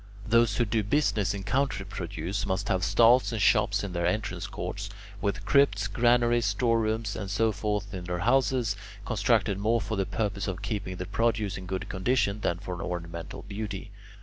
Those who do business in country produce must have stalls and shops in their entrance courts, with crypts, granaries, store rooms, and so forth in their houses, constructed more for the purpose of keeping the produce in good condition than for ornamental beauty.